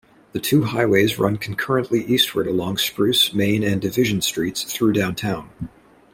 The two highways run concurrently eastward along Spruce, Main and Division streets through downtown.